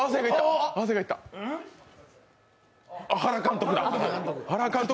原監督だ。